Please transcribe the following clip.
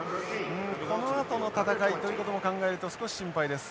このあとの戦いということも考えると少し心配です。